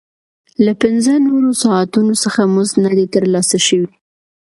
له پنځه نورو ساعتونو څخه مزد نه دی ترلاسه شوی